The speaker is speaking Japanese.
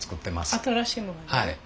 新しいもの。